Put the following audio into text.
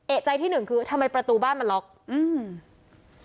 เอกใจที่หนึ่งคือทำไมประตูบ้านมันล็อกอืม